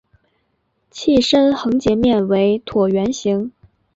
器身横截面为椭圆形。